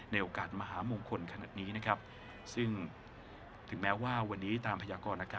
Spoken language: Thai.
โอกาสมหามงคลขนาดนี้นะครับซึ่งถึงแม้ว่าวันนี้ตามพยากรณากาศ